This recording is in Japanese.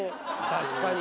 確かに。